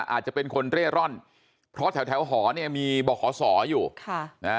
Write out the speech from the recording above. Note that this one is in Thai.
อาจจะเป็นคนเร่ร่อนเพราะแถวแถวหอเนี่ยมีบอกขอสออยู่ค่ะนะฮะ